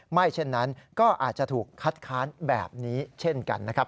เช่นนั้นก็อาจจะถูกคัดค้านแบบนี้เช่นกันนะครับ